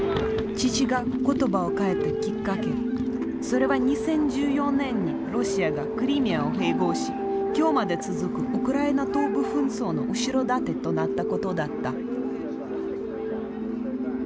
それは２０１４年にロシアがクリミアを併合し今日まで続くウクライナ東部紛争の後ろ盾となったことだった。